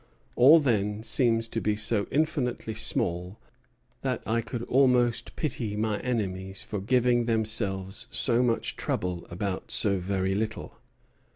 All then seems to be so infinitely small that I could almost pity my enemies for giving themselves so much trouble about so very little.